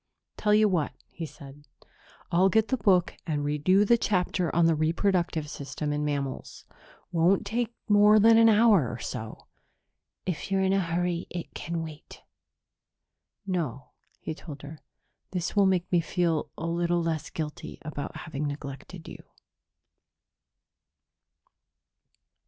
"Tell you what," he said. "I'll get the book and read you the chapter on the reproductive system in mammals. Won't take more than an hour or so." "If you're in a hurry, it can wait." "No," he told her. "This will make me feel a little less guilty about having neglected you."